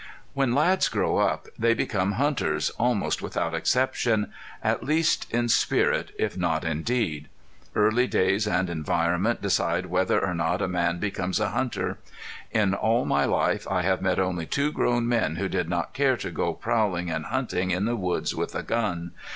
When lads grow up they become hunters, almost without exception, at least in spirit if not in deed. Early days and environment decide whether or not a man becomes a hunter. In all my life I have met only two grown men who did not care to go prowling and hunting in the woods with a gun.